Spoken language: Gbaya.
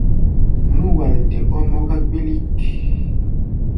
Nú-walde ɔ́ mɔ́ká gbilik.